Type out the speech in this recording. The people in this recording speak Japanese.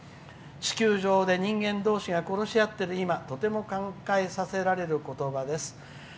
地球上で人間同士が殺しあっている今とても考えさせられることばです」。